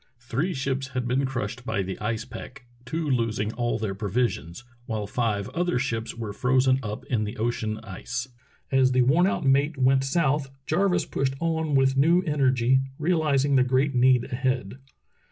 Three ships had been crushed by the ice pack, two losing all their provisions, while five other ships were frozen up in the ocean ice. As the worn out mate went south, Jarvis pushed on with new energy, realizing the great need ahead.